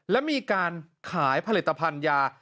และมีการขายผลิตภัณฑ์ยา